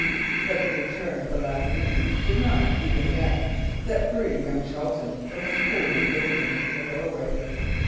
But the return of the last seaman did not, even yet, set free young Shelton from his cold imprisonment in the doorway.